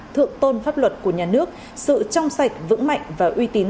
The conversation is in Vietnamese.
thượng tôn pháp luật của nhà nước sự trong sạch vững mạnh và uy tín